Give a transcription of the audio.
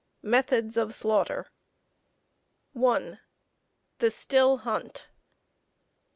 METHODS OF SLAUGHTER. 1. _The still hunt.